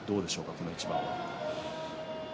この一番。